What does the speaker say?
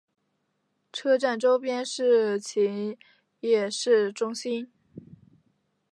车站周边是秦野市中心。